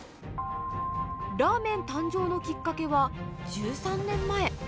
ラーメン誕生のきっかけは、１３年前。